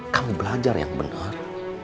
kamu belajar yang benar